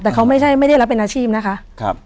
แต่เขาไม่ได้รับเป็นอาชีพนะคะ